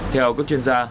theo các chuyên gia